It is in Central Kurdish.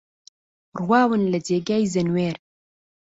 ڕواون لە جێگای زەنوێر